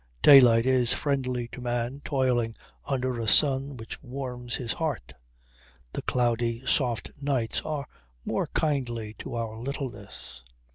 Daylight is friendly to man toiling under a sun which warms his heart; and cloudy soft nights are more kindly to our littleness.